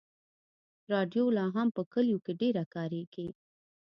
راډیو لا هم په کلیو کې ډېره کارېږي.